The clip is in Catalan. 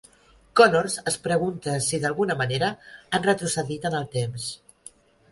Connors es pregunta si, d'alguna manera, han retrocedit en el temps.